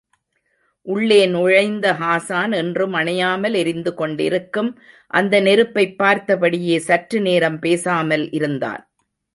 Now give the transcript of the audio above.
உள்ளே நுழைந்த ஹாஸான் என்றும் அணையாமல் எரிந்து கொண்டிருக்கும் அந்த நெருப்பைப் பார்த்தபடியே சற்றுநேரம் பேசாமல் இருந்தான்.